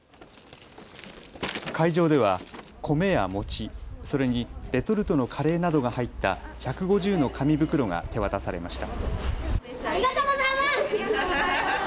会場では米や餅、それにレトルトのカレーなどが入った１５０の紙袋が手渡されました。